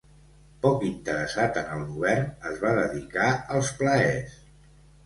Poc interessat en el govern es va dedicar als plaers.